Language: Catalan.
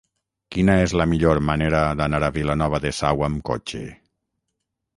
Quina és la millor manera d'anar a Vilanova de Sau amb cotxe?